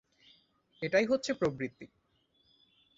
এটাই হচ্ছে প্রবৃত্তি।